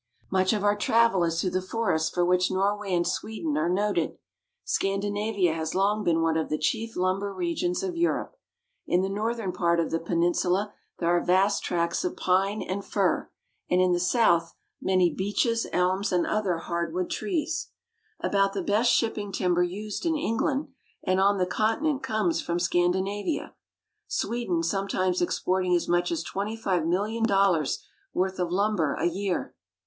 Much of our travel is through the forests for which Nor way and Sweden are noted. Scandinavia has long been one of the chief lumber regions of Europe. In the north ern part of the peninsula there are vast tracts of pine and TRAVELS IN NORWAY AND SWEDEN. 177 fir, and in the south many beeches, elms, and other hard wood trees. About the best shipping timber used in England and on the continent comes from Scandinavia, Sweden sometimes exporting as much as twenty five mil lion dollars worth of lumber a year.